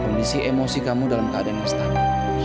kondisi emosi kamu dalam keadaan yang stabil